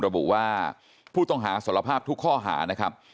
ระบุว่าผู้ต้องหาสารภาพทุกข้อหานะครับ